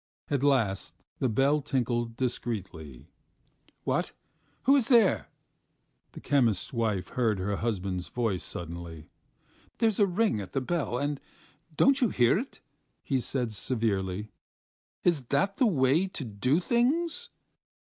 At last the bell tinkled discreetly. "What? Who is there?" the chemist's wife heard her husband's voice suddenly. "There's a ring at the bell, and you don't hear it," he said severely. "Is that the way to do things?"